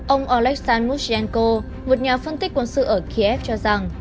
ông alexan mushenko một nhà phân tích quân sự ở kiev cho rằng